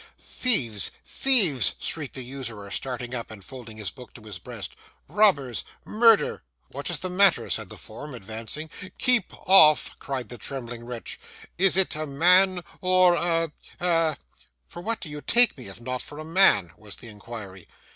'Thieves! thieves!' shrieked the usurer, starting up and folding his book to his breast. 'Robbers! Murder!' 'What is the matter?' said the form, advancing. 'Keep off!' cried the trembling wretch. 'Is it a man or a a ' 'For what do you take me, if not for a man?' was the inquiry.